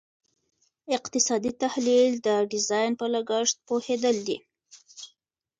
اقتصادي تحلیل د ډیزاین په لګښت پوهیدل دي.